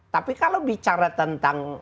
tapi kalau bicara tentang